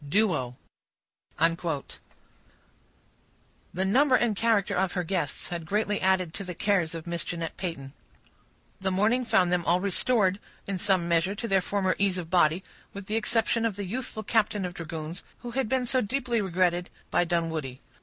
—Duo. The number and character of her guests had greatly added to the cares of Miss Jeanette Peyton. The morning found them all restored, in some measure, to their former ease of body, with the exception of the youthful captain of dragoons, who had been so deeply regretted by Dunwoodie.